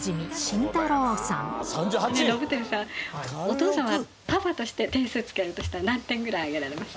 伸晃さん、お父さんは、パパとして、点数つけるとしたら何点ぐらいあげられます？